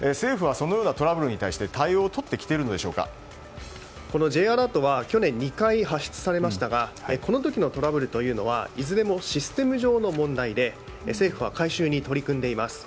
政府はそのようなトラブルに対してこのＪアラートは去年、２回発出されましたがこの時のトラブルというのはいずれもシステム上の問題で政府は改修に取り組んでいます。